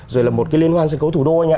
rồi là một cái liên hoan sân khấu thủ đô